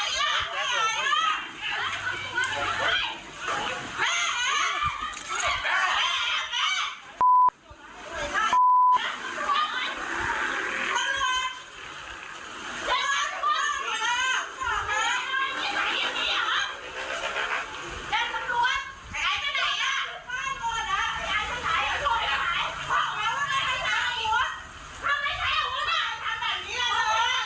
แย่งสำรวจไอ้ไอ้ไปไหนล่ะทุกบ้านก่อนล่ะไอ้ไอ้ช่วยถ่ายช่วยถ่าย